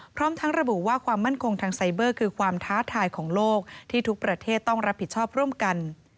พร้อมทั้งระบุว่าความมั่นคงทางไซเบอร์คือความท้าทายของโลกที่ทุกประเทศต้องรับผิดชอบร่วมกัน